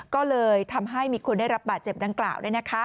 ก็เลยทำให้มีคนได้รับบาดเจ็บดังกล่าว